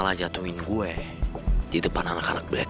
lu gak tanggung jawab